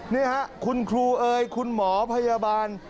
นี่ค่ะคุณครูเอ๋ยคุณหมอพยาบาล